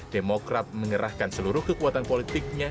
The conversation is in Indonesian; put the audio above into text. demokrat mengerahkan seluruh kekuatan politiknya